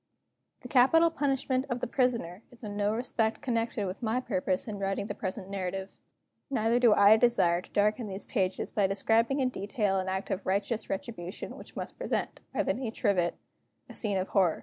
The Capital Punishment of the Prisoner is in no respect connected with my purpose in writing the present narrative. Neither do I desire to darken these pages by describing in detail an act of righteous retribution which must present, by the nature of it, a scene of horror.